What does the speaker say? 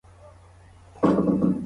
بهرني درمل ولي ګران دي؟